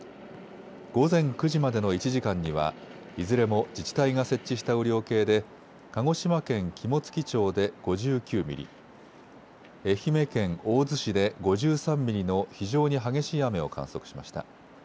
午前９時までの１時間にはいずれも自治体が設置した雨量計で鹿児島県肝付町で５９ミリ、愛媛県大洲市で５３ミリの非常に激しい雨を観測しました。